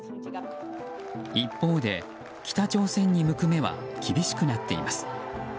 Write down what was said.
一方で北朝鮮に向く目は厳しくなっています。